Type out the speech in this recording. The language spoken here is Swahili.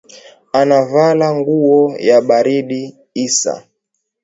Anavala nguwo ya baridi isa